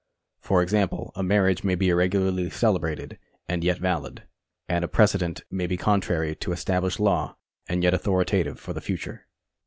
For example, a marriage may be irregularly celebrated, and yet valid ; and a precedent may be contrary to established law, and yet authoritative for the future.